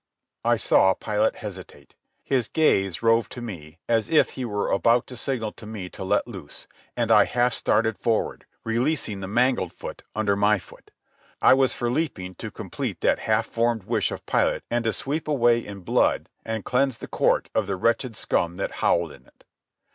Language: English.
I saw Pilate hesitate. His gaze roved to me, as if he were about to signal to me to let loose; and I half started forward, releasing the mangled foot under my foot. I was for leaping to complete that half formed wish of Pilate and to sweep away in blood and cleanse the court of the wretched scum that howled in it.